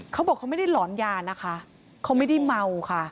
เขาบอกเขาไม่ได้หลอนยานะคะเขาไม่ได้เมาค่ะ